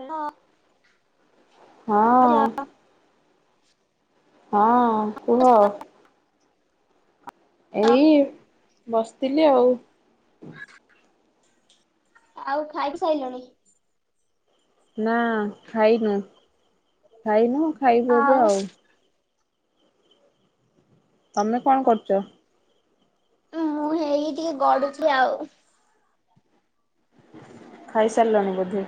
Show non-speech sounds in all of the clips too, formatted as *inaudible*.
Hello. ହଁ। ହଁ କୁହ। ଏଇ ବସିଥିଲି ଆଉ। ଆଉ ଖାଇକି ସାଇଲଣୀ? ନା ଖାଇନୁ ଖାଇନୁ ଖାଇବୁ ଏବେ ଆଉ। ତମେ କଣ କରୁଛ? ମୁଁ ହେଇ ଟିକେ ଗଡୁଛି ଆଉ। ଖାଇ ସାରିଲଣି ବୋଧେ?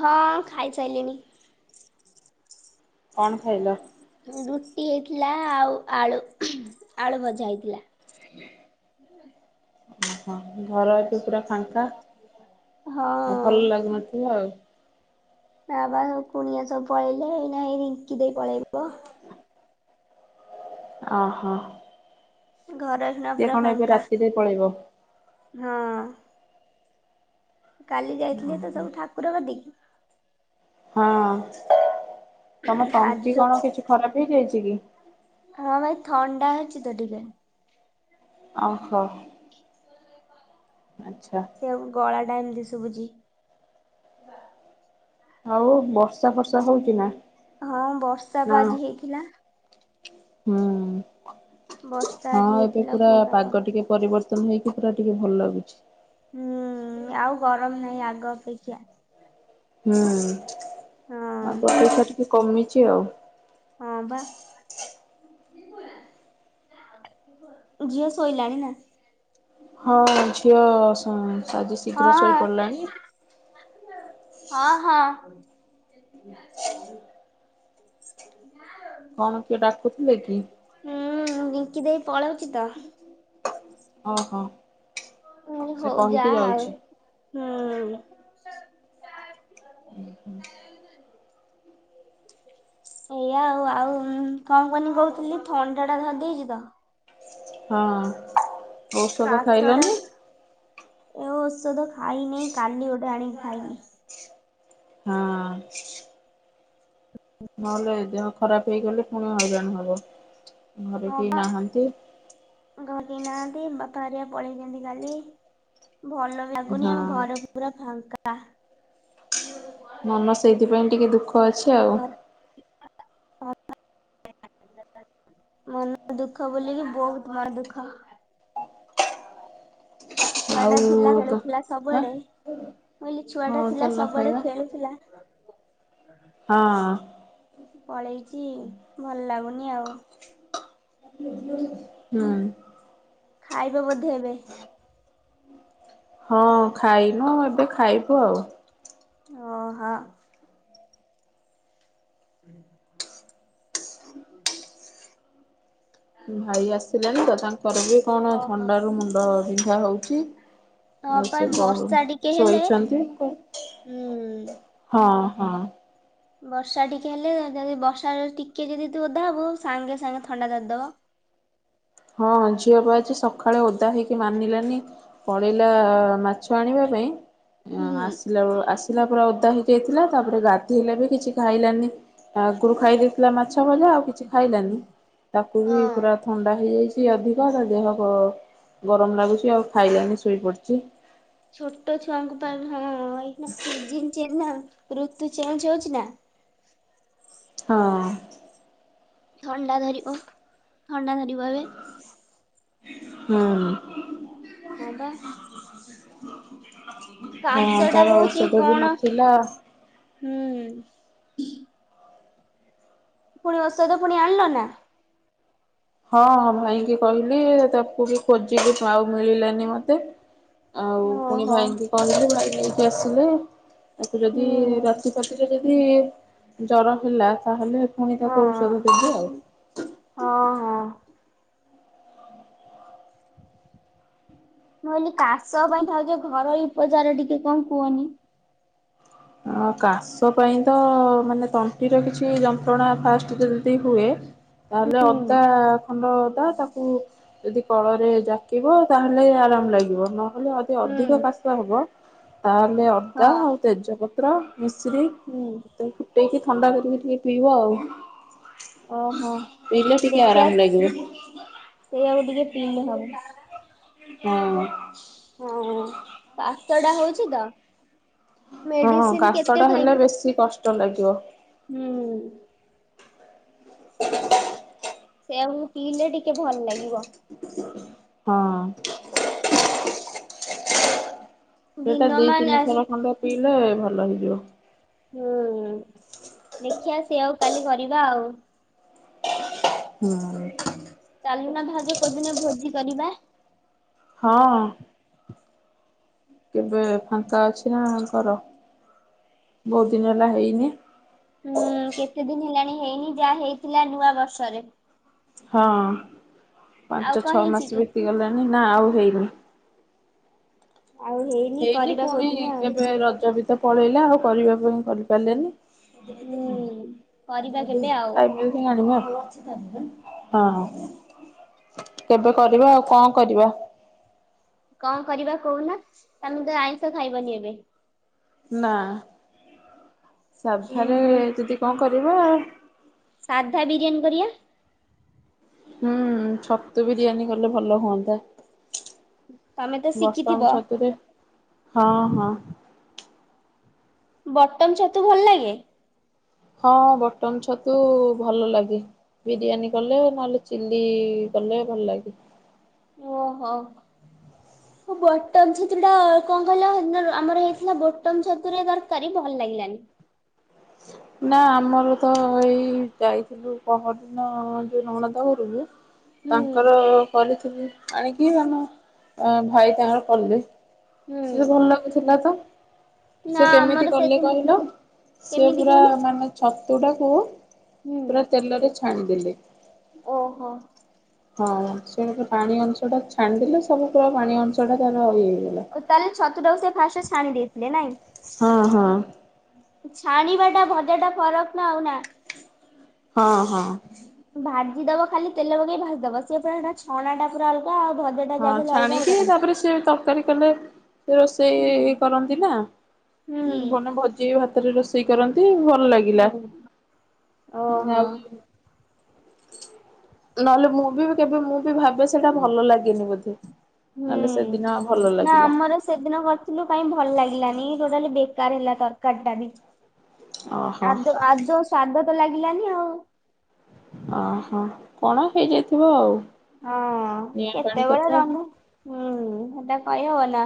ହଁ ଖାଇ ସାଇଲିଣିି। କଣ ଖାଇଲ? ରୁଟି ହେଇଥିଲା ଆଉ ଆଳୁ ଆଳୁ ଭଜା ହେଇଥିଲା। ଓହୋ ଘର ଏବେ ପୁରା ଫାଙ୍କା ହଁ ଭଲ ଲାଗୁନଥିବ ଆଉ। ନାବା ବା କୁଣିଆ ସବୁ ପଳେଇଲେ ଏଇନା ଏଇ ରିଙ୍କି ଦେଇ ପଳେଇବ। ଅହ। ଘରେ ସିଏ କଣ ଏବେ ରାତିରେ ପଳେଇବ। ହଁ। କାଲି ଯାଇଥିଲେ ତ ଓହୋ ସବୁ ଠାକୁର କତିକି ହଁ ତମ ଆଜି ତଣ୍ଟି କଣ ସବୁ କିଛି ଖରାପ ହେଇଯାଇଛି କି? ହଁ ପା ଏ ଥଣ୍ଡା ହେଇଛି ତ ଟିକେ। ଅ ହୋ। ଆଚ୍ଛା। ଗଳାଟା ଏମିତ୍ ସୁବୁଛି। ଆ ଉ ବର୍ଷା ବର୍ଷା ହଉଚ ନା ହଁ ବର୍ଷା ନା ବା ଆଜି ହେଇଥିଲା। ହୁଁ। ବର୍ଷା ଆଜି ହଁ ଏବେ ହେଇଥିଲା ପୁରା କୁହନା ପାଗ କୁହନା। ଟିକେ ପରିବର୍ତ୍ତନ ହେଇକି ପୁରା ଟିକେ ଭଲ ଲାଗୁଛି। ହୁଁ ଆଉ ଗରମ ନାହିଁ ଆଗ ଅପେକ୍ଷା। ହୁଁ ହଁ ଆଗ ଅପେକ୍ଷା ଟିକେ କମିଛି ଆଉ। ହଁ ବା। ଝିଅ ଶୋଇଲାଣି ନା। ହଁ ଝିଅ ଆଜି ଶୀଘ୍ର ଶୋଇ ହଁ। ପଡିଲାଣି। ହଁ ହଁ। *inaudible* କଣ କିଏ ଡାକୁଥିଲେ କି? ହୁଁ ରିଙ୍କି ଦେଇ ପଳଉଛି ତ। ଓହୋ ମୁଁ କହିଲି ସେ ହଉ ଯା କହିକି ଆଉ ଯାଉଛି। ହୁଁ। *inaudible* ସେଇଆଉ ଆଉ କଣ କନି କହୁଥିଲି ଥଣ୍ଡା ଟା ଧରିଦେଇଛି ତ। ହଁ। ଔଷଧ କାଶ ଟା ଖାଇଲନି? ଏ ଔଷଧ ଖାଇନି କାଲି ଗୋଟେ ଆଣିକି ଖାଇବି। ହଁ। ନହେଲେ ଦେହ ଖରାପ ହେଇଗଲେ ପୁଣି ହଇରାଣ ହବ ଘରେ କେହି ନାହାନ୍ତି। ଘର କେ ନାହାନ୍ତି ବାପା ହରିଆ ପଳେଇଛନ୍ତି କାଲି ଭଲ ଲାଗୁନି ଆମ ହଁ। ଘର ପୁରା ଫାଙ୍କା। ମନ ସେଇଥିପାଇଁ ଟିକେ ଦୁଃଖ। ଅଛି ଆଉ *unintelligible* ମନ ଦୁଃଖ ବୋଲିକି ବହୁତ ମନ ଦୁଃଖ। ଛୁଆ ଟା ଆଉ ଥିଲା ଖେଳୁଥିଲା ଆଁ ହଁ ସବୁଆଡେ। ମୁଁ କହିଲି ଛୁଆ ଟା ହଁ ଥିଲା ଚାଲୁନ ସବୁଆଡେ ଖାଇବା ଖେଳଥିଲା। ହଁ। ପଳେଇଛି ଭଲ ଲାଗୁନି ଆଉ। ହୁଁ। ଖାଇବ ବୋଧେ ଏବେ। ହଁ ଖାଇନୁ ଏବେ ଖାଇବୁ ଆଉ। ଓ ହଁ। *inaudible* ଭାଇ ଆସିଲାଣି ତ ତାଙ୍କର ବି କଣ ଓହୋ ଥଣ୍ଡା ରୁ ମୁଣ୍ଡ ବିନ୍ଧା ହଉଛି। ହଁ ଆଉ ପା ସେ କହୁ ବର୍ଷା ଟିକେ ହେଲେ ଶୋଇଛନ୍ତି ଉଁ କଣ। ହଁ ହଁ। ବର୍ଷା ଟିକେ ହେଲେ ଯଦି ବର୍ଷା ରେ ଟିକେ ଯଦି ତୁ ଓଦା ହବୁ ସାଙ୍ଗେ ସାଙ୍ଗେ ଥଣ୍ଡା ଧରିଦବ। ହଁଁ ଝିଅ ବା ଆଜି ସକାଳେ ଓଦା ହେଇକି ମାନିଲା ନି ପଳେଇଲା ମାଛ ଆଣିବା ପାଇଁ ହୁଁ ଆସିଲା ବଳ ଆସ୍ ଥିଲା ପୁରା ଓଦା ହେଇଯାଇଥିଲା ତାପରେ ଗାଧଇଲା ବି କିଛି ଖାଇଲାନି ଆଗରୁ ଖାଇ ପଥିଲା ମାଛ ଭଜା ଆଉ କିଛି ଖାଇଲାନି ତାକୁ ବି ହଁ ପୁରା ଥଣ୍ଡା ହେଇଯାଇଛି ଅଧିକ ତା ଦେହ ଗରମ ଲାଗୁଛି ଆଉ ଖାଇଲାନି ଶୋଇପଡ଼ିଛି। ଛୋଟ ଛୁଆଙ୍କ ପାଇଁ ହଁ ଏଇ ସିଜନ ଚେଞ୍ଚ ନା ଋତୁ ଚେଞ୍ଜ ହଉଛି ନା। ହଁ। ଥଣ୍ଡା ଧରିବ ଥଣ୍ଡା ଧରିବ ଏବେ। ହୁଁ। ହଁ ବା। ହଁ କାଶଟା ତାର ହଉଛି ଔଷଧ ବି କଣ? ନଥିଲା। ହୁଁ। ପୁଣି ଔଷଧ ପୁଣି ଆଣିଲନା? ହଁ ହଁ ଭାଇଙ୍କି କହିଲି ତାକୁ ବି ଖୋଜିଲି ଆଉ ମିଳିଲାନି ମତେ ଆଉ ପୁଣି ଓହୋ। ଭାଇଙ୍କି କହିଲି ଭାଇ ନେଇକି ଆସିଲେ ତାକୁ ଯଦି ହୁଁ ରାତି ଫାତିରେ ଯଦି ଯଦି ଜର ହେଲା ତାହେଲେ ପୁଣି ହଁ ତାକୁ ଔଷଧ ଦେବି ଆଉ। ହଁ। ହଁ। ମୁଁ କହିଲି କାଶ ପାଈଁ ଭାଉଜ ଘରୋଇ ଉପଚାର ଟିକେ କଣ କୁହନି? କାଶ ପାଇଁ ତ ମାନେ ତଣ୍ଟିର କିଛି ଯନ୍ତ୍ରଣା ଫାଷ୍ଟ ଯଦି ହୁଏ ତାହେଲେ ହୁଁ ଅଦା ଖଣ୍ଡ ଅଦା ତାକୁ ଯଦି କଳରେ ଜାକିବ ତାହେଲେ ଆରାମ ଲାଗିବ ନହେଲେ ହୁଁ ଅଧିକ କାଶ ହବ ତାହେଲେ ଅଦା ହଁ ଆଉ ତେଜପତ୍ର ମିଶ୍ରି ହୁଁ। ତ ଫୁଟେଇକି ଥଣ୍ଡା କରିକି ଟିକେ ପିଇବ ଆଉ। ଓହୋ। ପିଇଲେ ଟିକେ ଦେଖିବା ଆରାମ ଲାଗିବ। ସେଇଆକୁ ଟିକେ ପିଇଲେ ହବ। ହୁଁ। ହଁ କାଶଟା ହଉଛି ତ? ହଁ ମେଡିସିନ କେତେ କାଶଟା ହେଲେ ଖାଇବି ବେଶୀ କଷ୍ଟ ଲାଗିବ। ହୁଁ। ସେଇଆକୁ ପିଇଲେ ଟିକେ ଭଲ ଲାଗିବ। ହଁ। ସେଇଟା ଦିନ ଦିଇ ମାନ ତିନି ଆଜି ଥର ଖଣ୍ଡେ ପିଇଲେ ଭଲ ହେଇଯିବ। ହୁଁ ଦେଖିବା ସେଇଆକୁ କାଲି କରିବା ଆଉ ହିଁ। ଚାଲୁନା ଭାଉଜ କୋଉଦିନ ଭୋଜି କରିବା। ହଁ। କେବେ ଫାଙ୍କା ଅଛିନା କର ବହୁତ ଦିନ ହେଲା ହେଇନି। ହୁଁ କେତେ ଦିନ ହେଲାଣି ହେଇନି ଯାହା ହେଇଥିଲା ନୂଆ ବର୍ଷରେ। ହଁ ଆଉ ପାଞ୍ଚ କଣ ଛଅ ହେଇଛି ମାସ କି? ବିତିଗଲାଣି ନା ଆଉ ହେଇନି। ଆଉ ହେଇ ହେଇନି ପୁଣି କେବେ ରଜ ବିତ ପଳେଇଲା ଆଉ କରିବା ପାଇଁ କରିପାରିଲେନି। ହୁଁ କରିବା କେବେ ଆଉ। *unintelligible* ହଁ କେବେ କରିବା ଆଉ କ କରିବ କଣ କରିବା କହୁନା ତମେ ତ ଆଇଁଷ ଖାଇବନି ଏବେ ନା ସାଧାରେ ଉଁ ଯଦି କଣ କରିବା। ସାଧା ବିରିୟାନୀ କରିବା। ହୁଁ ଛତୁ ବିରିୟାନୀ କଲେ ଭଲ ହୁଅନ୍ତା। ତମେ ତ ବଟମ୍ ଶିଖିଥିବ। ଛତୁରେ ହଁ ହଁ। ବଟମ ଛତୁ ଭଲ ଲାଗେ। ହଁ ବଟମ୍ ଛତୁ ଭଲ ଲାଗେ। ବିରିୟାନୀ କଲେ ନହେଲେ ଚିଲ୍ଲି କଲେ ଭଲ ଲାଗେ। ଓହୋ। ବଟମ ଛତୁଟା କଣ କହିଲ ଆମର ହେଇଥିଲା ବଟମ ଛତୁରେ ଦରକାରୀ ଭଲ ଲାଗିଲାନି। ନା ଆମର ତ ଏଇ ଯାଇଥିଲୁ ପହରଦିନ ଯୋଉ ନଣନ୍ଦ ଘରକ୍ର ହୁଁ ତାଙ୍କର କରିଥିଲି ଆଣିକି ମାନ ଭାଇ ତାଙ୍କର କଲେ ହୁଁ ସେ ତ ଭଲ ଲାଗୁଥିଲା ତ ନା ସେ ଆମର କେମିତି କଲେ ସେଦିନ କହିଲ? ସେ କେମିତି ପୁରା କୁହନି ମାନେ ଛତୁଟାକୁ ହୁଁ ପୁରା ତେଲରେ ଛାଣିଦେଲେ। ଓହୋ। ହଁ ସେମିତି ପାଣି ଅଂଶ ଟା ଛାଣ୍ଡଦେଲେ ସବୁ ପୁରା ପାଣି ଅଂଶ ଟା ତାର ଇଏ ହେଇଗଲା। ତାହେଲେ ଛତୁଟାକୁ ସେ ଫାଷ୍ଟ ଛାଣି ଦେଇଥିଲେ ନାଇଁ। ହଁ ହଁ। ଛାଣିବା ଟା ଭଜା ଟା ଫରକ ନା ଆଉ ନା। ହଁ ହଁ। ଭାଜିଦବ ଖାଲି ତେଲ ପକେଇ ଭାଜିଦବ ସେ ପୁରା ହେଟା ଛଣା ଟା ପୁରା ଅଲଗା ଆଉ ଭଜା ଟା ହଁ ଛାଣିକି ତାପରେ ସେ ତରକାରୀ କଲେ ସେ ରୋଷେଇ କରନ୍ତି ନା। ହୁଁ ଭଲ ଭୋଜିଭାତରେ ରୋଷେଇ କରନ୍ତି ଭଲ ଲାଗେ। ଇଲା, ହୁଁ ଓହୋ ଆଉ ନହେଲେ ମୁଁ ବି କେବେ ମୁଁ ବି ଭାବେ ସେଟା ଭଲ ଲାଗେନି ବୋଧେ ନହେଲେ ସେଦିନ ଭଲ ଲାଗିଲା। ତାହେଲେ ସେଦିନ କଣ କରିଥିଲୁ କାଇଁ ଭଲ ଲାଗିଲାନି ଟୋଟାଲି ବେକାର ହେଲା ତରକାରୀ ଟା ବି। ଓହୋ ଆଦୌ ଆଦୌ ସ୍ଵାଦ ତ ଲାଗିଲାନି ଆଉ ଓ ହୋ କଣ ହେଇଯାଇଥିବ ଆଉ। ହଁ ନିଆଁ ପାଣି କେତେବେଳେ କଥା ରାନ୍ଧ, ହୁଁ ସେଟା କହି ହବ ନା।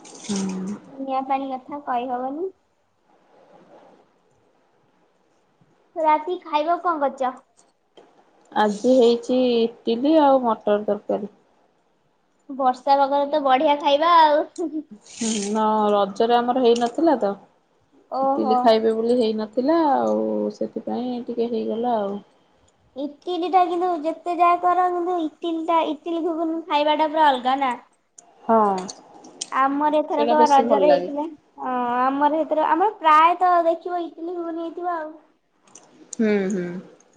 ହୁଁ। ନିଆଁ ପାଣି କଥା କହିହବନି। ରାତିକି ଖାଇବାକୁ କଣ କରିଚ? ଆଜି ହେଇଚି ଇଟିଲି ଆଉ ମଟର ତରକାରୀ। ବର୍ଷା ପାଗରେ ତ ବଢିଆ ଖାଇବା ଆଉ। ହଁ ନା ରଜରେ ଆମର ହେଇନଥିଲା ତ, ଓହୋ ଇଟିଲି ଖାଇ ବି ବୋଲି ହେଇନଥିଲା, ଆଉ ସେଥିପାଇଁ ଟିକେ ହେଇଗଲା ଆଉ। ଇଟିଲି ଟା କିନ୍ତୁ ଯେତେ ଯାହା କର, କିନ୍ତୁ ଇଟିଲି ଟା ଇଟିଲି ଘୁଗୁନି ଖାଇବା ଟା ପୁରା ଅଲଗା ନା। ହଁ। ଆମର ସେଇଟା ଏଥରକ ବେଶୀ ଭଲ ରଜରେ ଲାଗେ। ହେଇଥିଲା ହଁ ଆମର ଏଥର ଆମର ପ୍ରାୟତ ଦେଖିବ ଇଟିଲି, ଘୁଗୁନି ହେଇଥିବ ଆଉ। ହୁଁ- ହୁଁ।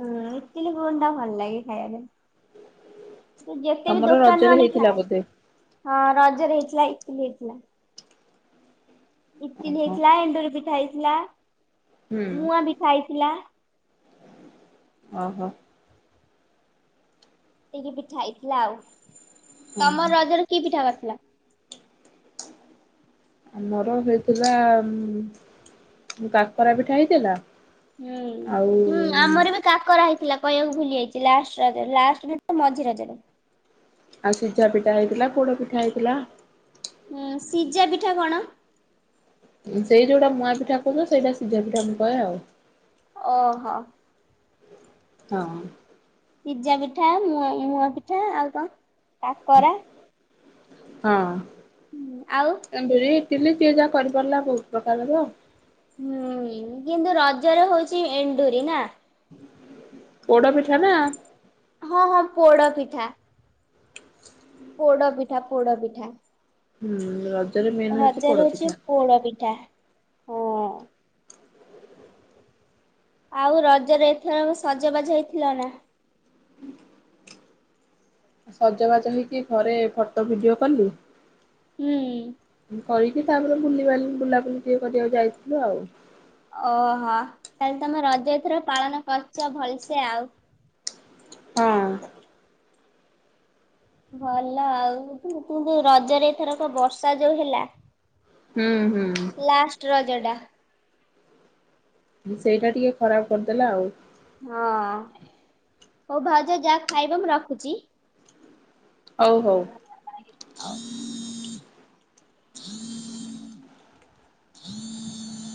ହୁଁ ଇଟିଲି, ଘୁଗୁନିଟା ଭଲ ଲାଗେ ଖାଇଆ ପାଇଁ। ତୁ ଯେତେ ବି ତମର ଦୋକାନରୁ ରଜରେ ଆଣିକି ହେଇଥିଲା ଖାଆ, ବୋଧେ? ହଁ ରଜରେ ହେଇଥିଲା ଇଟିଲି ହେଇଥିଲା। ଇଟିଲି ଓହୋ। ହେଇଥିଲା, ଏଣ୍ଡୁରି ପିଠା ହେଇଥିଲା, ହୁଁ। ମୁଆଁ ପିଠା ହେଇଥିଲା। ଓ ହୋ। ଏତିକି ପିଠା ହେଇଥିଲା ଆଉ। ହଁ ତମର ରଜରେ କି ପିଠା କରିଥିଲ? ଆମର ହେଇଥିଲା, କାକରା ପିଠା ହେଇଥିଲା ହୁଁ- ଆଉ ହୁଁ ଆମର ବି କାକରା ହେଇଥିଲା କହିଆକୁ ଭୁଲି ଯାଇଛି, ଲାଷ୍ଟ ରଜରେ ଲାଷ୍ଟ ନୁହେଁ ତ ମଝି ରଜରେ। ଆଉ ସିଝା ପିଠା ହେଇଥିଲା, ପୋଡ ପିଠା ହେଇଥିଲା। ହୁଁ ସିଜା ପିଠା କଣ? ସେଇ ଯୋଉଟା ମୁଆଁ ପିଠା କହୁଚ, ସେଇଟା ସିଝା ପିଠା ମୁଁ କହେ ଆଉ। ଓ ହୋ। ହଁ। ସିଜା ପିଠା, ମୁଆଁ ମୁଆଁ ପିଠା ଆଉ କଣ କାକରା ହଁ। ହୁଁ ଆଉ ଏଣ୍ଡୁରି, ଇଟିଲି ଯିଏ ଯାହା କରିପାରିଲା ବହୁତ ପ୍ରକାରର। ହୁଁ କିନ୍ତୁ ରଜରେ ହଉଚି ଏଣ୍ଡୁରି ନା। ପୋଡ଼ପିଠା ନା। ହଁ- ହଁ ପୋଡ ପିଠା। ପୋଡ ପିଠା ପୋଡ ପିଠା। ହୁଁ ର ରଜରେ ହଉଚି ପୋଡପିଠା ହଁ। ଆଉ ରଜରେ ଏଥର ସଜବାଜ ହେଇଥିଲ ନା? ସଜବାଜ ହେଇକି ଘରେ ଫଟୋ ଭିଡିଓ କଲି। ହୁଁ। କରିକି, ତାପରେ ବୁଲିିବାଲି ବୁଲାବୁଲି ଟିକେ କରିବାକୁ ଯାଇଥିଲୁ ଆଉ। ଓ ହୋ, ତାହେଲେ ତମେ ରଜ ଏଥର ପାଳନ କରିଚ ଭଲସେ ଆଉ। ହଁ। ଭଲ ଆଉ, ରଜରେ ଏଥରକ ବର୍ଷା ଯୋଉ ହେଲା ହୁଁ- ହୁଁ। ଲାଷ୍ଟ ରଜଟା। ସେଇଟା ଟିକେ ଖରାପ କରିଦେଲା ଆଉ। ହଁ ହଉ ଭାଉଜ ଯାଅ ଖାଇବ, ମୁଁ ରଖୁଛି। ହଉ ହଉ। ହ ହଉ।